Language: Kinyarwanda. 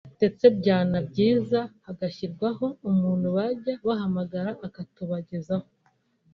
ndetse byana byiza hagashyirwaho umuntu bajya bahamagara akatubagezaho